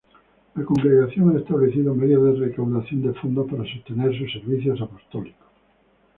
La Congregación ha establecido medios de recaudación de fondos para sostener sus servicios apostólicos.